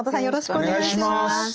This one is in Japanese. よろしくお願いします。